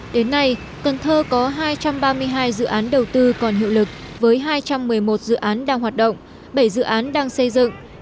đến nay cần thơ có hai trăm ba mươi hai dự án đầu tư còn hiệu lực với hai trăm một mươi một dự án đang hoạt động bảy dự án đang xây dựng